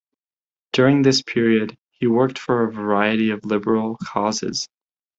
During this period, he worked for a variety of liberal causes.